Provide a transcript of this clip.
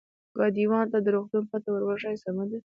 ګاډیوان ته د روغتون پته ور وښیه، سمه ده.